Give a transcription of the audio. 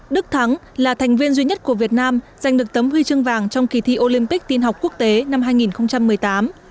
đức thắng là thành viên duy nhất của việt nam giành được tấm huy chương vàng trong kỳ thi olympic tiên học quốc tế năm hai nghìn một mươi tám